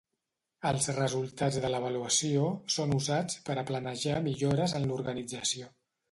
Els resultats de l'avaluació són usats per a planejar millores en l'organització.